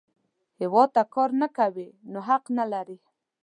هیواد ته کار نه کوې، نو حق نه لرې